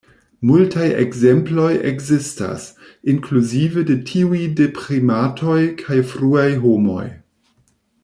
Multaj ekzemploj ekzistas, inkluzive de tiuj de primatoj kaj fruaj homoj.